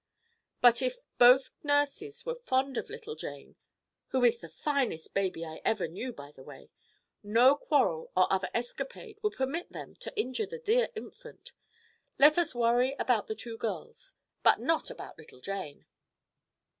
But if both nurses were fond of little Jane—who is the finest baby I ever knew, by the way—no quarrel or other escapade would permit them to injure the dear infant. Let us worry about the two girls, but not about little Jane."